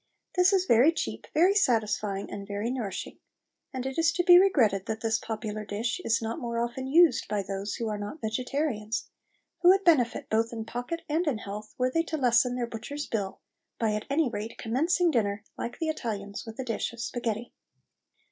This is very cheap, very satisfying, and very nourishing; and it is to be regretted that this popular dish is not more often used by those who are not vegetarians, who would benefit both in pocket and in health were they to lessen their butcher's bill by at any rate commencing dinner, like the Italians, with a dish of sparghetti.